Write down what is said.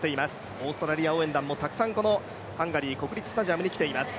オーストラリア応援団もたくさんこのハンガリー国立スタジアムにきています。